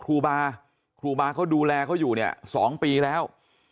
คนอยู่กับครูบาเค้าดูแลเค้าอยู่เนี่ย๒ปีแล้ว